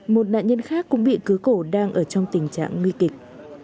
một nạn nhân khác cũng bị cứ cổ đang ở trong tình trạng nguy kịch